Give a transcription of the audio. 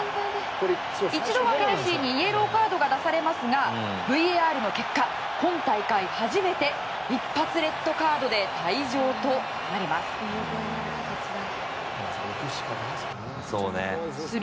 一度はヘネシーにイエローカードが出されますがＶＡＲの結果、今大会初めて一発レッドカードで退場となります。